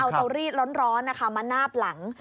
เอาตัวรีดร้อนมานาบหลัง